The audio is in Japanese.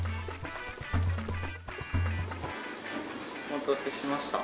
お待たせしました。